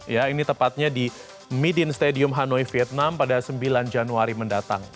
ya ini tepatnya di midin stadium hanoi vietnam pada sembilan januari mendatang